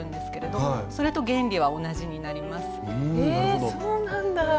えそうなんだ。